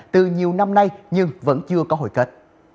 từ nhiều năm nay nhưng vẫn chưa có hồi kết